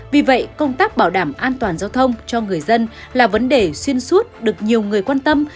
vì vậy công tác bảo đảm an toàn giao thông cho người dân là vấn đề xuyên suốt được nhiều người quan tâm